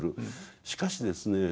しかしですね